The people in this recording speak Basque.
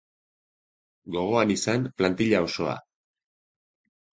Gogoan izan plantilla osoa.